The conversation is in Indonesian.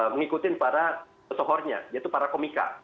mengikuti para pesohornya yaitu para komika